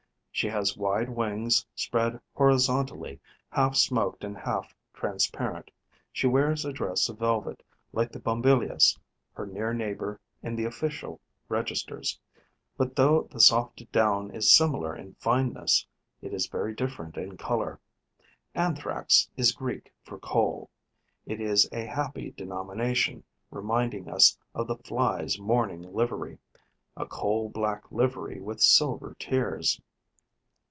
She has wide wings, spread horizontally, half smoked and half transparent. She wears a dress of velvet, like the Bombylius, her near neighbour in the official registers; but, though the soft down is similar in fineness, it is very different in colour. Anthrax is Greek for coal. It is a happy denomination, reminding us of the Fly's mourning livery, a coal black livery with silver tears.